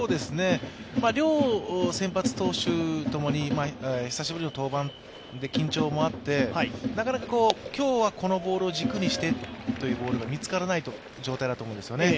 両先発投手、共に久しぶりの登板で緊張もあって、なかなか今日はこのボールを軸にしてというボールが見つからないという状態ですよね。